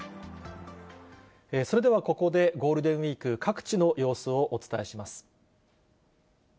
それではここで、ゴールデンウィーク各地の様子をお伝えします。